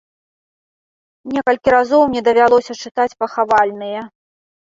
Некалькі разоў мне давялося чытаць пахавальныя.